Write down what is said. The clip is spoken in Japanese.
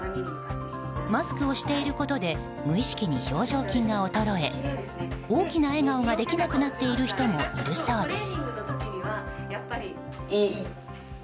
マスクをしていることで無意識に表情筋が衰え大きな笑顔ができなくなっている人もいるそうです。